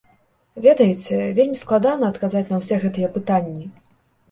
Ведаеце, вельмі складана адказаць на ўсе гэтыя пытанні.